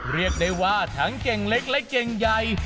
เรียกได้ว่าทั้งเก่งเล็กและเก่งใหญ่